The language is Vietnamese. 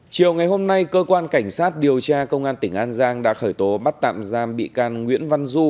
chiều ngày hôm nay cơ quan cảnh sát điều tra công an tỉnh an giang đã khởi tố bắt tạm giam bị can nguyễn văn du